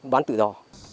bán tự do